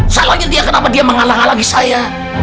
salahnya dia kenapa dia mengalah lagi saya